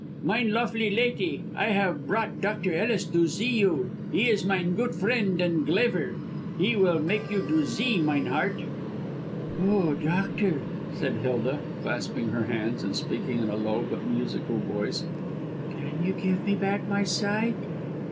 "Mine lofely laty, I haf brought Dr. Ellis to zee you. He is mine goot friend, and glever. He vill mak you to zee, mine heart." "Oh, doctor," said Hilda, clasping her hands, and speaking in a low, but musical voice, "can you give me back my sight?"